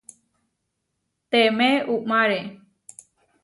Temé uʼmáre.